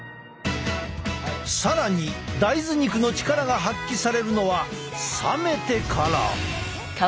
更に大豆肉の力が発揮されるのは冷めてから！